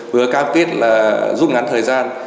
vừa cam kết là giúp ngắn thời gian